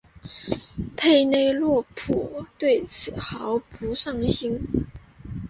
佩内洛普对此毫不上心。